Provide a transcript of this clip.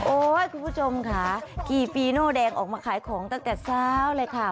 คุณผู้ชมค่ะขี่ฟีโน่แดงออกมาขายของตั้งแต่เช้าเลยค่ะ